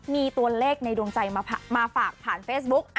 มีตัวเลขในดวงใจมาฝากผ่านเฟซบุ๊ก